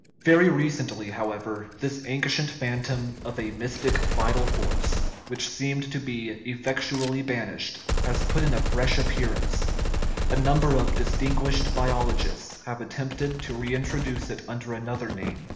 Very recently, however, this ancient phantom of a mystic vital force, which seemed to be effectually ban ished, has put in a fresh appearance ; a number of dis tinguished biologists have attempted to reintroduce it under another name.